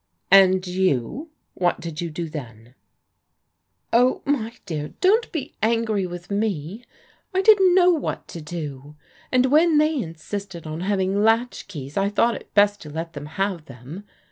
" And you ? What did you do then ?"Oh, my dear, don't be angry with me. I didn't know what to do, and when they insisted on having latch keys I thought it best to let them have them.